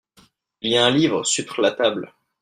Il y a un livre sutr la table.